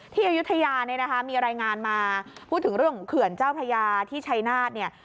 ที่อายุทยามีรายงานมาพูดถึงเรื่องขื่นเจ้าพญาที่ชัยนาธิ